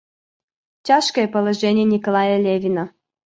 Тяжкое положение Николая Левина.